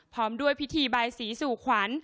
พร้อมด้วยพิธีบายสีสู่ขวัญ